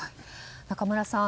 中村さん